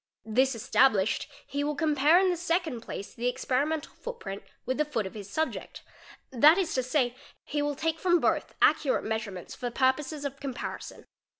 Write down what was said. This established, he will compare in the second place the experimental footprint with the foot of his subject, that is to say, he will take from both accurate measurements for purposes of comparison.